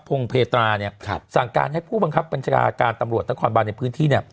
พงค์เพทรีสั่งการให้ผู้บังคับบรรจาการตำรวจนครบาลในพื้นที่